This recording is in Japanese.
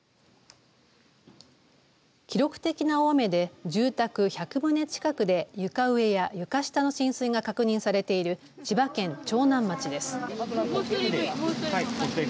記録的な大雨で住宅１００棟近くで床上や床下の浸水が確認されている千葉県長南町です。